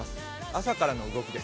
朝からの動きです